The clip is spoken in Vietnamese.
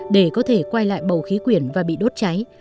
để có thể quay lại bầu khí quyển và bị đốt cháy